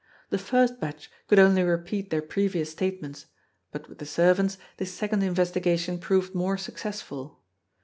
The first batch could only repeat their previous statements, but with the servants this second investigation proved more successful.